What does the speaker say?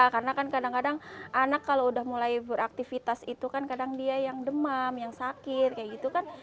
karena kan kadang kadang anak kalau udah mulai beraktivitas itu kan kadang dia yang demam yang sakit kayak gitu kan